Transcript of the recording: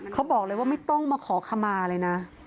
เขาบอกเลยว่าไม่ต้องมาขอขมาเลยนะ